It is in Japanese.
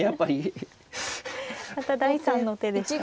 また第３の手でしたね。